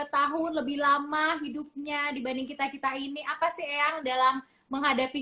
delapan puluh dua tahun lebih lama hidupnya dibanding kita kita ini apa sih yang dalam menghadapi